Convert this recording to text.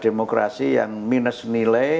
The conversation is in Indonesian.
demokrasi yang minus nilai